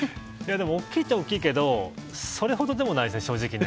大きいっちゃ大きいけどそれほどでもないですね、正直。